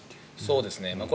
そうですね。